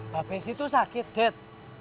pak ben sih tuh sakit dad